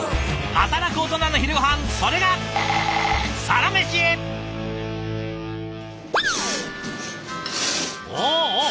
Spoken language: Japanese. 働くオトナの昼ごはんそれがおおおお！